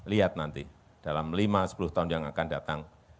lihat nanti dalam lima sepuluh tahun yang akan datang